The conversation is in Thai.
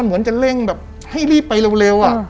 เหมือนจะเร่งแบบให้รีบไปเร็ว